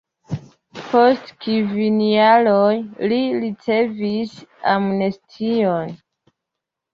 Post kvin jaroj li ricevis amnestion.